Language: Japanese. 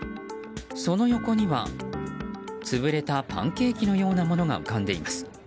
その横には潰れたパンケーキのようなものが浮かんでいます。